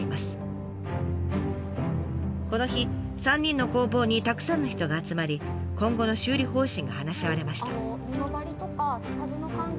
この日３人の工房にたくさんの人が集まり今後の修理方針が話し合われました。